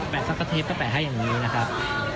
แปะซัตเกอร์เทพฯก็แปะให้อย่างนี้นะครับ